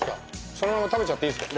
そのまま食べちゃっていいですか？